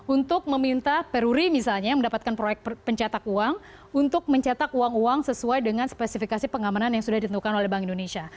untuk meminta peruri misalnya yang mendapatkan proyek pencetak uang untuk mencetak uang uang sesuai dengan spesifikasi pengamanan yang sudah ditentukan oleh bank indonesia